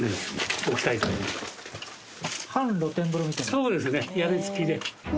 そうですね屋根つきで。